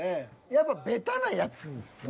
やっぱベタなやつっすね。